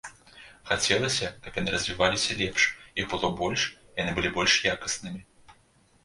Хацелася, каб яны развіваліся лепш, іх было больш і яны былі больш якаснымі.